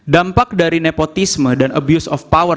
dampak dari nepotisme dan abuse of power